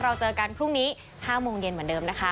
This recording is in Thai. เราเจอกันพรุ่งนี้๕โมงเย็นเหมือนเดิมนะคะ